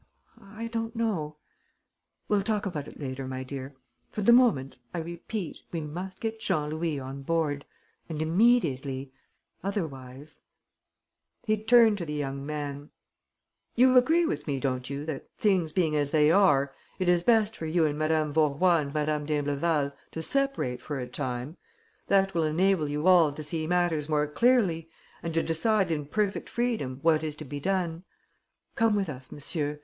I don't know...." "We'll talk about it later, my dear. For the moment, I repeat, we must get Jean Louis on board. And immediately.... Otherwise...." He turned to the young man: "You agree with me, don't you, that, things being as they are, it is best for you and Madame Vaurois and Madame d'Imbleval to separate for a time? That will enable you all to see matters more clearly and to decide in perfect freedom what is to be done. Come with us, monsieur.